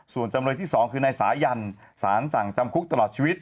ส่วนจำเลยที่๒คือนายสายันสารสั่งจำคุกตลอดชีวิต